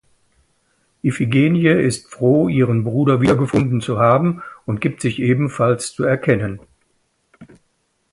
Iphigenie ist froh, ihren Bruder wiedergefunden zu haben, und gibt sich ebenfalls zu erkennen.